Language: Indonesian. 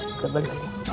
kita bagi bagi aja ya